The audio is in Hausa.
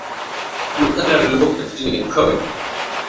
Matsalar lokaci ne kawai.